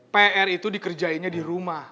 pr itu dikerjainnya di rumah